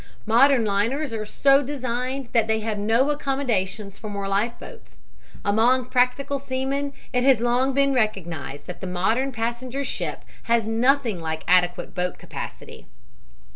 Modern liners are so designed that they have no accommodations for more life boats. Among practical seamen it has long been recognized that the modern passenger ship has nothing like adequate boat capacity.